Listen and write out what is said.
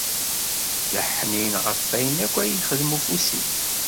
D aḥnin ɣef wayen akk yexdem ufus-is.